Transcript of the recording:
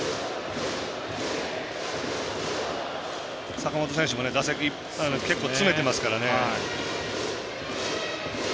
坂本選手も打席結構つめてますから。